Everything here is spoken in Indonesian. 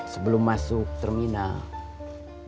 sebelum masuk terminalnya